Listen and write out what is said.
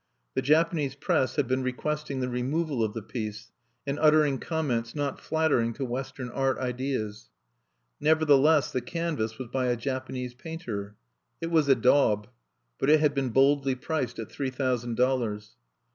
The Japanese press had been requesting the removal of the piece, and uttering comments not flattering to Western art ideas. Nevertheless the canvas was by a Japanese painter. It was a daub; but it had been boldly priced at three thousand dollars.